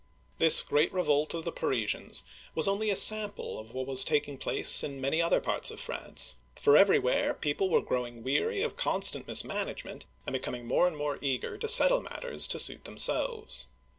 This great revolt of the Parisians was only a sample of what was taking place in many other parts of France, for everywhere people were growing weary of constant DigitizecLby VjOOQIC 174 OLD FRANCE mismanagement, and becoming more and more eager to settle matters to suit themselves.